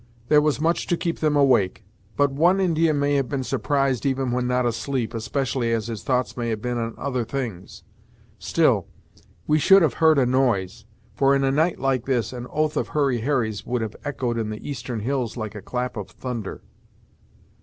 There was much to keep them awake, but one Indian may have been surprised even when not asleep, especially as his thoughts may have been on other things. Still we should have heard a noise; for in a night like this, an oath of Hurry Harry's would have echoed in the eastern hills like a clap of thunder."